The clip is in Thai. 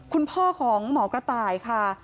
คุณพ่อของหมอกระต่ายค่ะ